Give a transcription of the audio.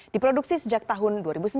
diproduksi sejak tahun dua ribu sembilan